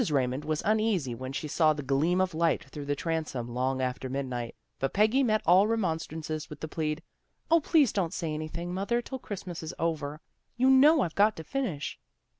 Raymond was uneasy when she saw the gleam of light through the transom long after midnight, but Peggy met all remon strances with the plead, " O, please don't say anything, mother, till Christmas is over. You know I've got to finish."